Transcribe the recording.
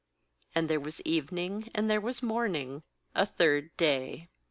13And there was evening and there was morning, a third day.